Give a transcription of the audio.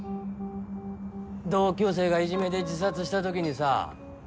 同級生がいじめで自殺したときにさ